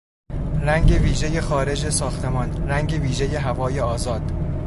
رنگ ویژهی خارج ساختمان، رنگ ویژهی هوای آزاد